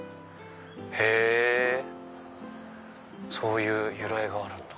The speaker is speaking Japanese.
へぇそういう由来があるんだ。